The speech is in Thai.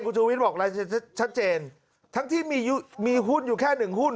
คุณชูวิทย์บอกลายเซ็นชัดเจนทั้งที่มีหุ้นอยู่แค่หนึ่งหุ้น